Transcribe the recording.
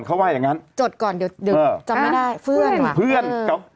เขาว่าอย่างงั้นจดก่อนเดี๋ยวเดี๋ยวจำไม่ได้เพื่อนค่ะเพื่อนกับ